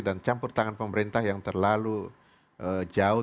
dan campur tangan pemerintah yang terlalu jauh